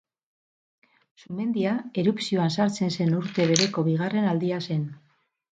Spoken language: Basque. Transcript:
Sumendia erupzioan sartzen zen urte bereko bigarren aldia zen.